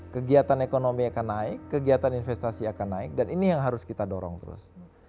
kegiatan ekonomi akan naik kegiatan investasi akan naik dan ini yang harus kita dorong terus